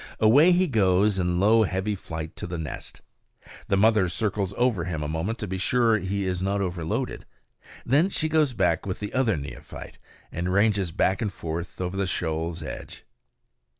Away he goes in low heavy flight to the nest. The mother circles over him a moment to be sure he is not overloaded; then she goes back with the other neophyte and ranges back and forth over the shoal's edge.